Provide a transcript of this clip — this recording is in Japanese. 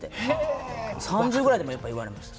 ３０ぐらいでもやっぱ言われました。